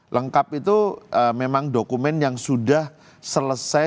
lengkap itu memang dokumen yang sudah selesai